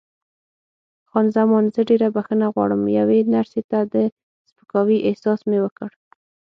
خان زمان: زه ډېره بښنه غواړم، یوې نرسې ته د سپکاوي احساس مې وکړ.